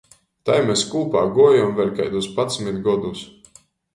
Tai mes kūpā guojem vēļ kaidus padsmit godus.